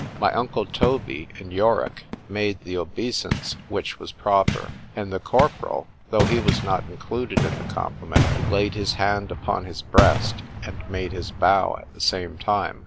My uncle Toby and Yorick made the obeisance which was proper; and the corporal, though he was not included in the compliment, laid his hand upon his breast, and made his bow at the same time.